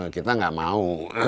kita nggak mau